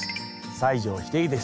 西城秀樹です。